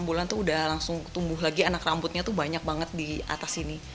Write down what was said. enam bulan itu sudah langsung tumbuh lagi anak rambutnya banyak banget di atas sini